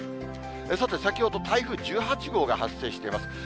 さて先ほど、台風１８号が発生しています。